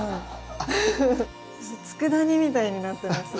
つくだ煮みたいになってます。